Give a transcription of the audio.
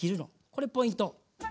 これポイント。